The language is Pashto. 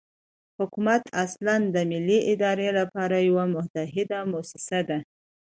حکومت اصلاً د ملي ادارې لپاره یوه متحده موسسه ده.